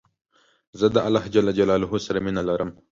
زه د الله ج سره مينه لرم